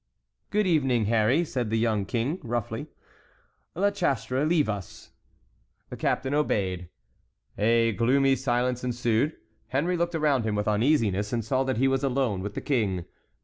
"Good evening, Harry," said the young King, roughly. "La Chastre, leave us." The captain obeyed. A gloomy silence ensued. Henry looked around him with uneasiness, and saw that he was alone with the King.